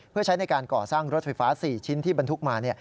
เพื่อใช้ในการก่อสร้างรถไฟฟ้า๔ชิ้นที่บรรทุกมา